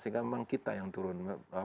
sehingga memang kita yang turun